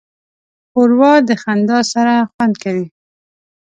ښوروا د خندا سره خوند کوي.